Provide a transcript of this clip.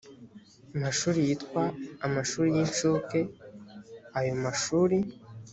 mashuri yitwa amashuri y incuke ayo mashuri